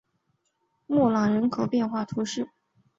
莫朗人口变化图示